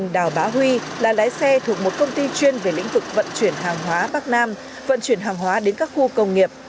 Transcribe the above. đào bá huy là lái xe thuộc một công ty chuyên về lĩnh vực vận chuyển hàng hóa bắc nam vận chuyển hàng hóa đến các khu công nghiệp